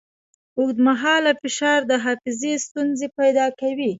اوږدمهاله فشار د حافظې ستونزې پیدا کوي.